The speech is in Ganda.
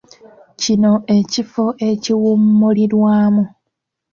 Kino ekifo ekiwummulirwamu.